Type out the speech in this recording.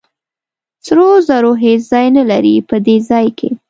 سرو زرو هېڅ ځای نه لري په دې ځای کې.